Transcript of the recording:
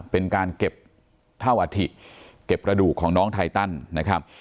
เป็นการเก็บเท่าอัฐิเก็บกระดูกของน้องไทตันนะครับ